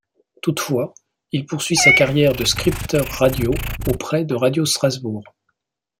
Toutefois, il poursuit sa carrière de scripteur radio auprès de Radio Strasbourg.